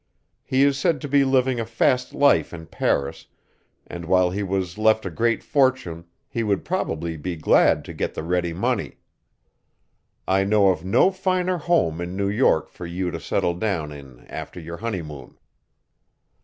He is said to be living a fast life in Paris, and while he was left a great fortune he would probably be glad to get the ready money. I know of no finer home in New York for you to settle down in after your honeymoon.